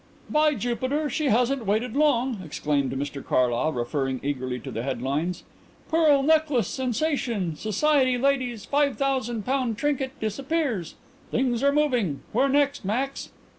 "By Jupiter, she hasn't waited long!" exclaimed Mr Carlyle, referring eagerly to the headlines. "'PEARL NECKLACE SENSATION. SOCIETY LADY'S £5000 TRINKET DISAPPEARS.' Things are moving. Where next, Max?"